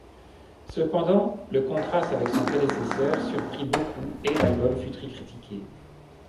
Cependant, le contraste avec son prédécesseur surprit beaucoup et l'album fut très critiqué.